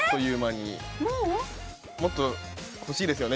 もっと欲しいですよね